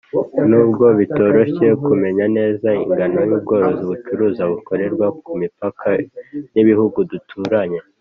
n'ubwo bitoroshye kumenya neza ingano y'ubwo bucuruzi bukorerwa ku mipaka n'ibihugu duturanye.